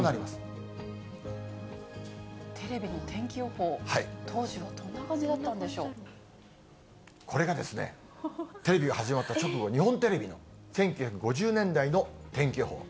テレビの天気予報、当時はどこれがですね、テレビが始まった直後、日本テレビ、１９５０年代の天気予報。